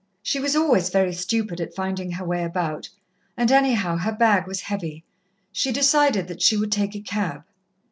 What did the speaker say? She was always very stupid at finding her way about, and, anyhow, her bag was heavy. She decided that she would take a cab.